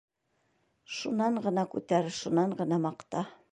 Шунан ғына күтәр, шунан ғына маҡта.